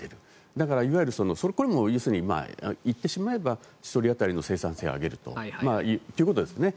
だからいわゆるこれも、言ってしまえば１人当たりの生産性を上げるということですね。